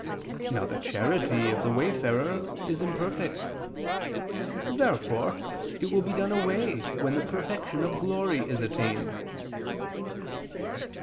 Now the charity of the wayfarer is imperfect. Therefore it will be done away when the perfection of glory is attained.